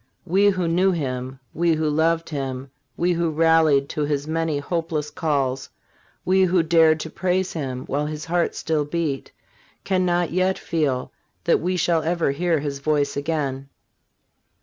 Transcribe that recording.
We who knew him, we who loved him, we who rallied to his many hopeless calls, we who dared to praise him while his heart still beat, can not yet feel that we shall never hear his voice again.